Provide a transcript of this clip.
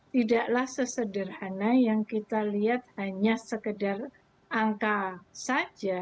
tidaklah sesederhana yang kita lihat hanya sekedar angka saja